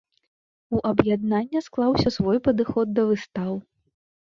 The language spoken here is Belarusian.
У аб'яднання склаўся свой падыход да выстаў.